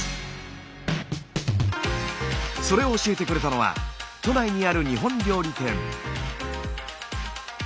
それを教えてくれたのは都内にある日本料理店。